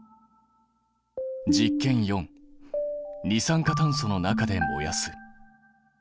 実験４二酸化炭素の中で燃やす。